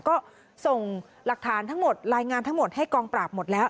ก็ส่งหลักฐานทั้งหมดรายงานทั้งหมดให้กองปราบหมดแล้ว